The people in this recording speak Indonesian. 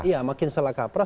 iya makin salah kapra